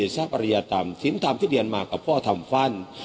สินธรรมที่เรียนมากกับพ่อธรรมฟัน